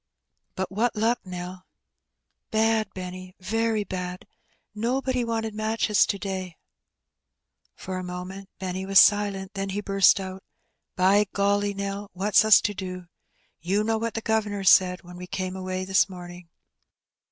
Bat what luck, Nell?" " Bad, Benny, very bad. Nobody wanted matches to day," For a moment Benny was silent, then he buret out, " By golly, Nell ! what's us to do ? You know what the guv'nor said when we came away this morning?